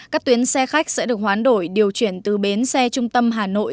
các tuyến xe khách sẽ được hoán đổi điều chuyển từ bến xe trung tâm hà nội